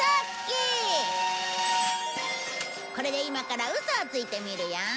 これで今からウソをついてみるよ。